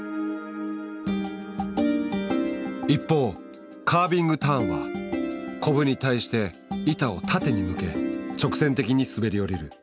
一方カービングターンはコブに対して板を縦に向け直線的に滑り降りる。